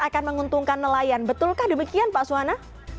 akan menguntungkan nelayan betulkah demikian pak suwana